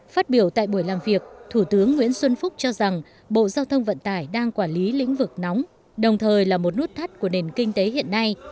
phát biểu tại buổi làm việc thủ tướng nguyễn xuân phúc cho rằng bộ giao thông vận tải đang quản lý lĩnh vực nóng đồng thời là một nút thắt của nền kinh tế hiện nay